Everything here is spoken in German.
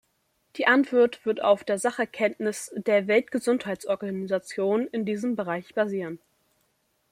Die Antwort wird auf der Sachkenntnis der Weltgesundheitsorganisation in diesem Bereich basieren.